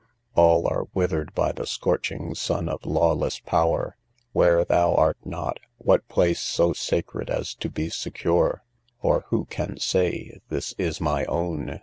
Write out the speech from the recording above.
All are withered by the scorching sun of lawless power! Where thou art not, what place so sacred as to be secure? or who can say, this is my own!